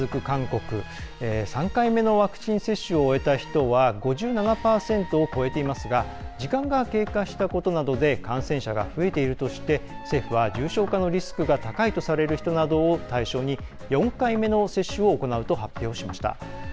韓国３回目のワクチン接種を終えた人は５７％を超えていますが時間が経過したことなどで感染者が増えているとして政府は重症化のリスクが高いとされる人などを対象に４回目の接種を行うと発表しました。